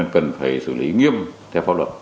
cần phải xử lý nghiêm theo pháp luật